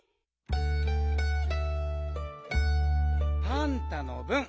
パンタのぶん。